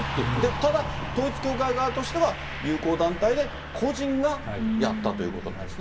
ただ、統一教会側としては、友好団体で、個人がやったということなんですね。